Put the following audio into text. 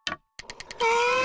え！